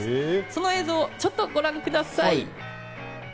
その映像をちょっとご覧ください。